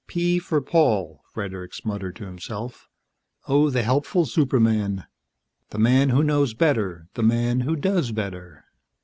"P for Paul," Fredericks muttered to himself. "Oh, the helpful superman, the man who knows better, the man who does better."